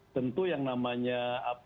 tentu yang namanya tata akramat